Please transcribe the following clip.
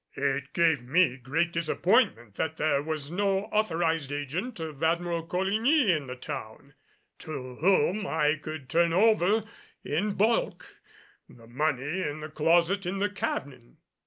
It gave me great disappointment that there was no authorized agent of Admiral Coligny in the town, to whom I could turn over in bulk the money in the closet in the cabin.